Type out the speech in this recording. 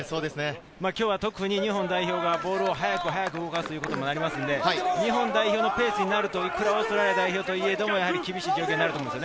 今日は特に日本代表がボールを速く動かすということになりますので、日本代表のペースになるといくらオーストラリア代表といえども厳しい戦いになると思います。